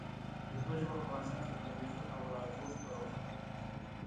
پښتو ژبه په افغانستان کې د تلویزیون او راډیو خپرونو کې هم خپرېږي.